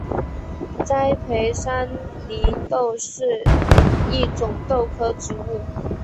栽培山黧豆是一种豆科植物。